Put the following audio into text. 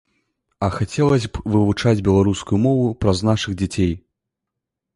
А хацелася б вывучаць беларускую мову праз нашых дзяцей.